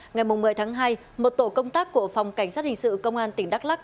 ngày một mươi tháng hai một tổ công tác của phòng cảnh sát hình sự công an tỉnh đắk lắc